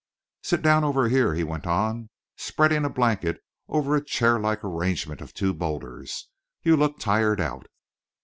"Sit down over here," he went on, spreading a blanket over a chairlike arrangement of two boulders. "You look tired out."